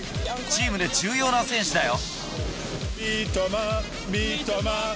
チームで重要な選手だよ。